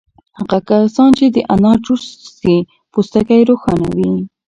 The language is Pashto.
هغه کسان چې د انار جوس څښي پوستکی یې روښانه وي.